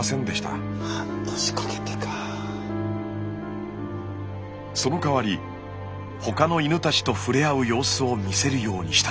そのかわり他の犬たちと触れ合う様子を見せるようにしたんです。